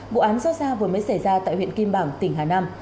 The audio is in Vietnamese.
vụ án xót xa vừa mới xảy ra tại huyện kim bảng tỉnh hà nam